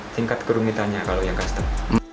tingkat kerumitannya kalau yang custom